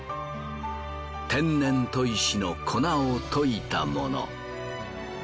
天然砥石の粉を溶いたもの。